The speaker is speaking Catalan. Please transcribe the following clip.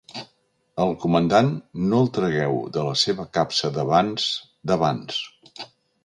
Al Comandant no el tragueu de la seva capsa d'havans d'abans.